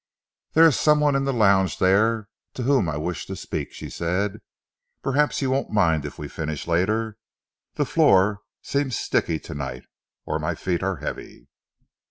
"There is some one in the lounge there to whom I wish to speak," she said. "Perhaps you won't mind if we finish later. The floor seems sticky tonight, or my feet are heavy."